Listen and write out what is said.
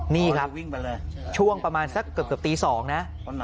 นี่ครับช่วงประมาณสักเกือบตี๒นะ